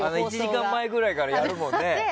１時間ぐらい前からやるもんね。